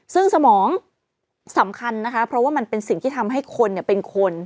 ซึ่งสมองสำคัญนะคะเพราะว่ามันเป็นสิ่งที่ทำให้คนเป็นคน